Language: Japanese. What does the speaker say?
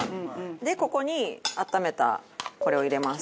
でここに温めたこれを入れます。